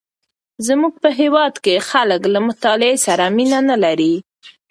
زمونږ په هیواد کې خلک له مطالعې سره مینه نه لري.